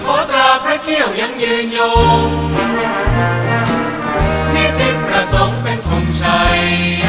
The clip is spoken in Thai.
ตราพระเกี่ยวยังยืนอยู่ที่สิทธิ์ประสงค์เป็นทงชัย